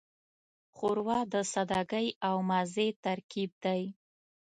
ښوروا د سادګۍ او مزې ترکیب دی.